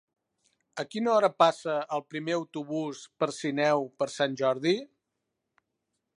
A quina hora passa el primer autobús per Sineu per Sant Jordi?